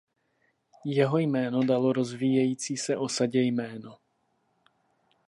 Jeho jméno dalo rozvíjející se osadě jméno.